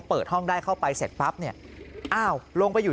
เปิดห้องได้เข้าไปเสร็จปั๊บเนี่ยอ้าวลงไปอยู่